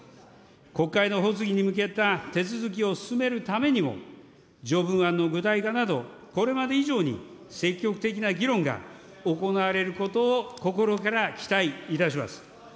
国会の発議に向けた手続きを進めるためにも、条文案の具体化など、これまで以上に積極的な議論が行われることを心から期待いたします。